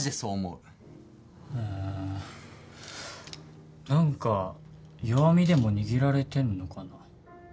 うん何か弱みでも握られてんのかな？